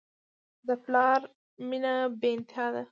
د پلار مینه بېانتها ده.